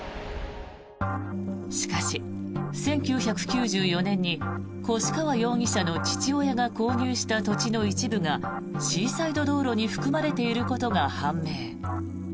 しかし、１９９４年に越川容疑者の父親が購入した土地の一部がシーサイド道路に含まれていることが判明。